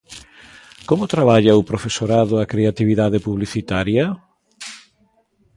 Como traballa o profesorado a creatividade publicitaria?